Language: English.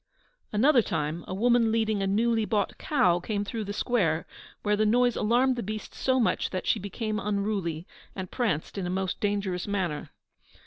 Another time, a woman leading a newly bought cow came through the square, where the noise alarmed the beast so much that she became unruly, and pranced in a most dangerous manner.